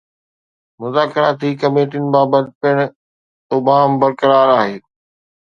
مذاڪراتي ڪميٽين بابت پڻ ابهام برقرار آهي.